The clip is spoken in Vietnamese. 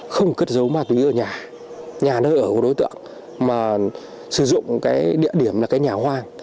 không cất giấu ma túy ở nhà nhà nơi ở của đối tượng mà sử dụng địa điểm là nhà hoang